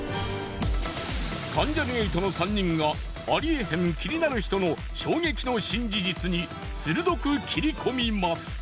関ジャニ∞の３人がありえへん気になる人の衝撃の新事実に鋭く切り込みます！